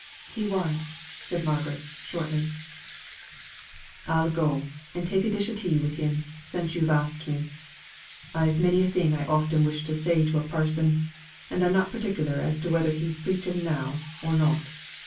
"He was," said Margaret, shortly. "I'll go and take a dish o' tea with him, since yo've asked me. I've many a thing I often wished to say to a parson, and I'm not particular as to whether he's preaching now, or not."